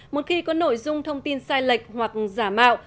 một khi có nội dung thông tin sai lệch hoặc giả mạo